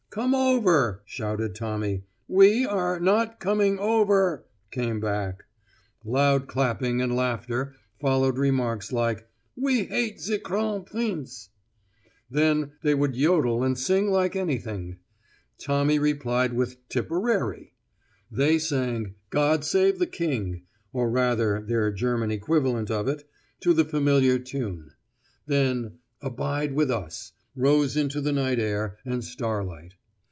'Come over,' shouted Tommy. 'We are not coming over,' came back. Loud clapping and laughter followed remarks like 'We hate ze _Kron_prinz.' Then they would yodel and sing like anything. Tommy replied with 'Tipperary.' They sang, 'God save the King,' or rather their German equivalent of it, to the familiar tune. Then, 'Abide with us' rose into the night air and starlight.